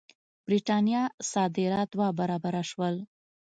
برېټانیا صادرات دوه برابره شول.